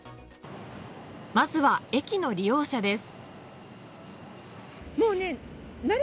まずは駅の利用者です。